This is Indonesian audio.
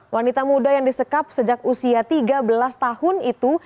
wanita muda yang disekap sejak usia tiga belas tahun itu